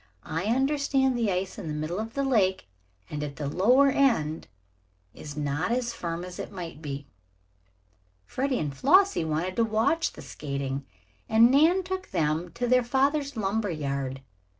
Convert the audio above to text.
"I understand the ice in the middle of the lake, and at the lower end, is not as firm as it might be." Freddie and Flossie wanted to watch the skating, and Nan took them to their father's lumber yard.